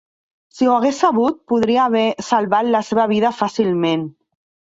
Si ho hagués sabut, podria haver salvat la seva vida fàcilment.